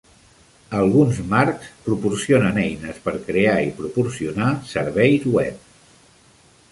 Alguns marcs proporcionen eines per crear i proporcionar serveis web.